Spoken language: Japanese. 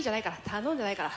頼んでないから。